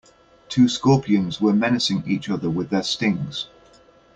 Two scorpions were menacing each other with their stings.